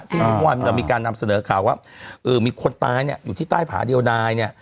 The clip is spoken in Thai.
เมื่อวานเรามีการนำเสนอข่าวว่ามีคนตายเนี่ยอยู่ที่ใต้ผาเดียวนายเนี่ย